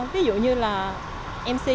ví dụ như là mc